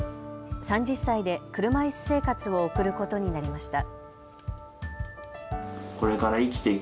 ３０歳で車いす生活を送ることになりました。